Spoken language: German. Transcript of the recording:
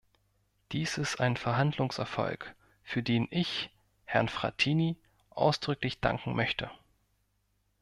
Dies ist ein Verhandlungserfolg, für den ich Herrn Frattini ausdrücklich danken möchte.